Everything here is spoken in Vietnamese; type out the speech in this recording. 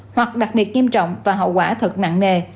hoặc đặc biệt nghiêm trọng và hậu quả thật nặng nề